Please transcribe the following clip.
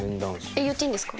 えっ言っていいんですか？